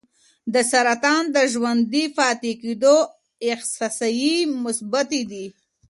د سرطان د ژوندي پاتې کېدو احصایې مثبتې دي.